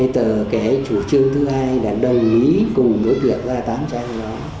từ cái chủ trương thứ hai đã đồng ý cùng với việc ra tám trang đó